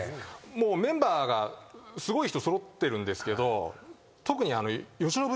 もうメンバーがすごい人揃ってるんですけど特に。